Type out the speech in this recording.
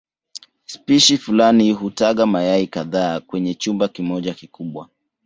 Spishi fulani hutaga mayai kadhaa kwenye chumba kimoja kikubwa.